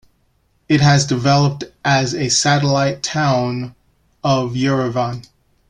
It has developed as a satellite town of Yerevan.